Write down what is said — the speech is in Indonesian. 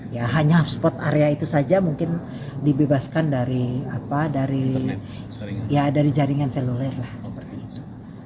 ya hanya spot area itu saja mungkin dibebaskan dari jaringan seluler lah seperti itu